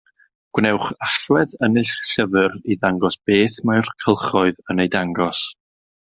Gwnewch allwedd yn eich llyfr i ddangos beth mae'r cylchoedd yn eu dangos.